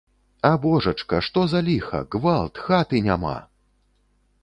А божачка, што за ліха, гвалт, хаты няма!